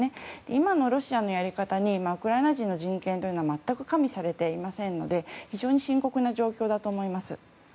今のロシアのやり方にウクライナ人の人権は全く加味されていませんので非常に深刻な状況だと思います。